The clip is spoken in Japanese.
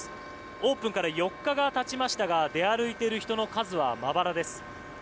オープンから４日が経ちましたが出歩いている人の数はまばらです。